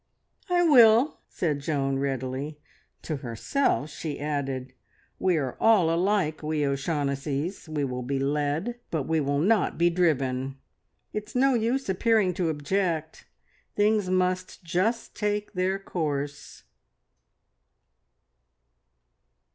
"I will," said Joan readily. To herself she added: "We are all alike, we O'Shaughnessys, we will be led, but we will not be driven. It's no use appearing to object! Things must just take their course..."